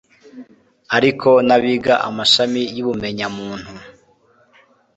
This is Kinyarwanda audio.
ariko n'abiga amashami y'ubumenyamuntu